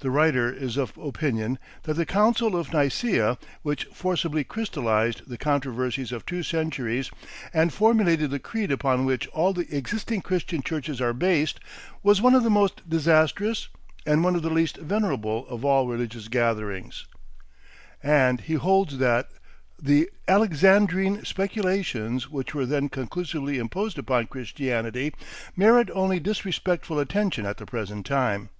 The writer is of opinion that the Council of Nicaea, which forcibly crystallised the controversies of two centuries and formulated the creed upon which all the existing Christian churches are based, was one of the most disastrous and one of the least venerable of all religious gatherings, and he holds that the Alexandrine speculations which were then conclusively imposed upon Christianity merit only disrespectful attention at the present time.